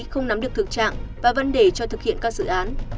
không nắm được thực trạng và vấn đề cho thực hiện các dự án